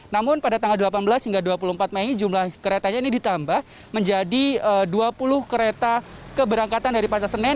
namun pada tanggal delapan belas hingga dua puluh empat mei jumlah keretanya ini ditambah menjadi dua puluh kereta keberangkatan dari pasar senen